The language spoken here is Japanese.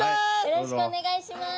よろしくお願いします。